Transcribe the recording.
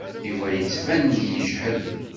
Yuba yettban-d yejhed.